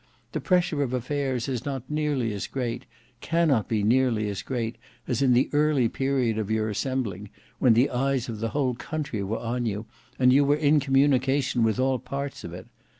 The pressure of affairs is not nearly as great, cannot he nearly as great, as in the early period of your assembling, when the eyes of the whole country were on you, and you were in communication with all parts of it.